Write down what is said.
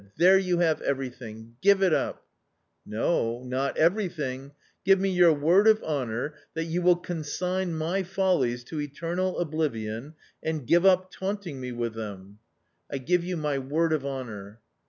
There you have everything. Give it up !"" No, not everything ; give me your word of honour, that you will consign my follies to eternal oblivion and give up taunting me with them." tSo a common story " I give you my word of honour."